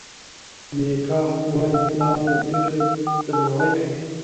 میکا وايي پلار یې د پرېکړې درناوی کوي.